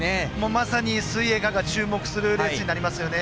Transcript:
まさに水泳界が注目するレースになりますよね。